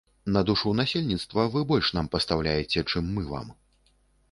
На душу насельніцтва вы больш нам пастаўляеце, чым мы вам.